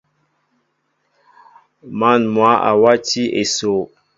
Man mwă a wati esoo.